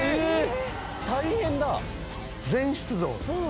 大変だ！